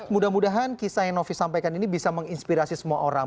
mudah mudahan kisah yang novi sampaikan ini bisa menginspirasi semua orang